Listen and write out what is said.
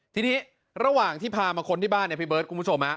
ทีนี้ระหว่างที่พามาค้นที่บ้านเนี่ยพี่เบิร์ดคุณผู้ชม